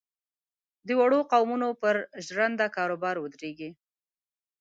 د وړو قومونو پر ژرنده کاروبار ودرېږي.